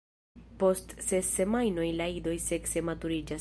Post ses semajnoj la idoj sekse maturiĝas.